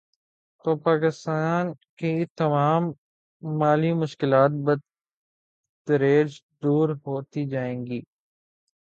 تو پاکستان کی تمام مالی مشکلات بتدریج دور ہوتی جائیں گی۔